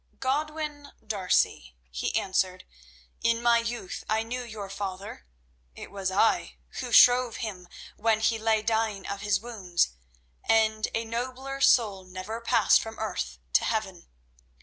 "Godwin D'Arcy," he answered, "in my youth I knew your father. It was I who shrove him when he lay dying of his wounds, and a nobler soul never passed from earth to heaven.